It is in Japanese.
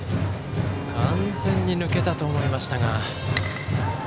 完全に抜けたと思いましたが。